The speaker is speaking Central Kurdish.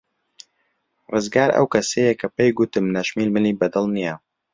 ڕزگار ئەو کەسەیە کە پێی گوتم نەشمیل منی بەدڵ نییە.